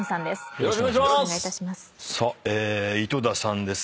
よろしくお願いします！